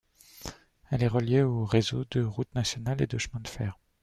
Elle est reliée aux réseaux de routes nationales et de chemins de fer.